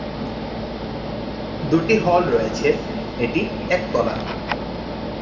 দুটি হল রয়েছে, এটি একতলা।